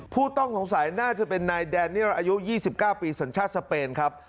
ผู้ต้องสงสัยน่าจะเป็นนายแดเนียลอายุ๒๙ปีสัญชาติสเปนครับ